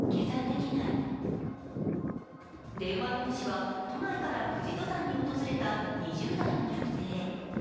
電話の主は、都内から富士登山に訪れた２０代の女性。